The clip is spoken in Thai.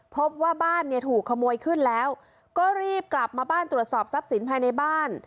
พบว่าบ้านเนี่ยถูกขโมยขึ้นแล้วก็รีบกลับมาบ้านตรวจสอบทรัพย์สินภายในบ้าน